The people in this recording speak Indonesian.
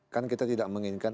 kan kita tidak menginginkan